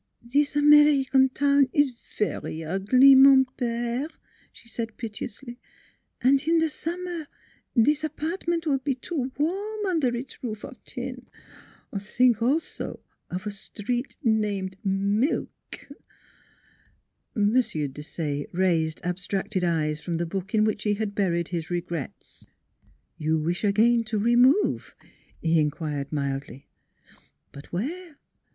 " This American town is very ugly, mon pere" she said piteously; " and in the summer this apart ment will be too warm under its roof of tin. Think also of a street named Milk! " M. Desaye raised abstracted eyes from the book in which he had buried his regrets. "You wish again to remove?" he inquired mildly ;" but where